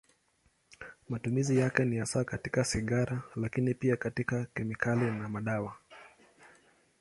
Matumizi yake ni hasa katika sigara, lakini pia katika kemikali na madawa.